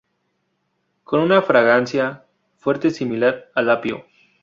Con una fragancia fuerte similar al apio.